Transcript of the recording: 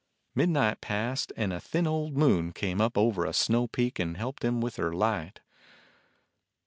Midnight passed, and a thin old moon came up over a snow peak and helped him with her light.